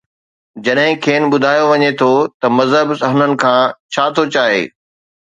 جڏهن کين ٻڌايو وڃي ٿو ته مذهب هنن کان ڇا ٿو چاهي.